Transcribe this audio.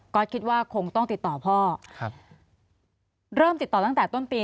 ก็คิดว่าคงต้องติดต่อพ่อครับเริ่มติดต่อตั้งแต่ต้นปี